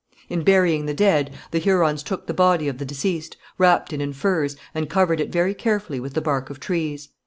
In burying the dead, the Hurons took the body of the deceased, wrapped it in furs, and covered it very carefully with the bark of trees.